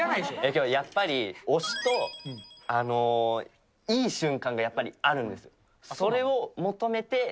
けど、やっぱり、推しといい瞬間がやっぱりあるんです。